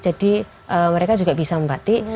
jadi mereka juga bisa membatik